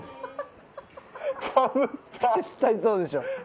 絶対そうでしょ。